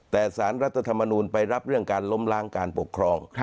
แต่สารรัฐธรรมนูลไปรับเรื่องการล้มล้างการปกครอง